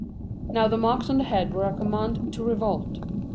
Now the marks on the head were a command to revolt."